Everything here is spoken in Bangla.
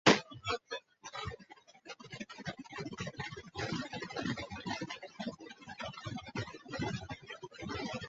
দলে তিনি মূলতঃ ডানহাতি ফাস্ট-মিডিয়াম বোলার হিসেবে খেলতেন।